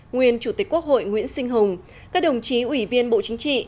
nguyên chủ tịch quốc hội nguyễn sinh hùng các đồng chí ủy viên bộ chính trị